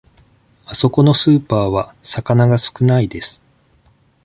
あそこのスーパーは魚が少ないです。